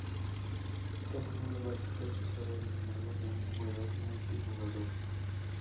Esta fórmula básica es usada en el modo de un jugador y multijugador.